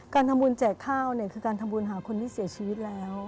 การทำบุญแจกข้าวเนี่ยคือการทำบุญหาคนที่เสียชีวิตแล้ว